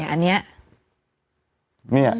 อันนี้